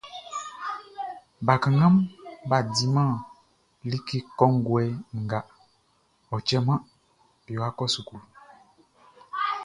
Bakannganʼm bʼa diman like kɔnguɛ nga, ɔ cɛman be wa kɔ suklu.